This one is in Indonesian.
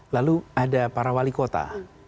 lalu ada para wali kota